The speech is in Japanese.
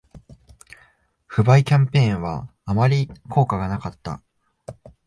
不買キャンペーンはあまり効果がなかった